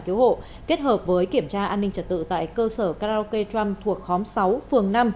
cứu hộ kết hợp với kiểm tra an ninh trật tự tại cơ sở karaoke trump thuộc khóm sáu phường năm